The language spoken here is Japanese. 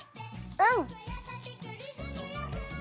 うん！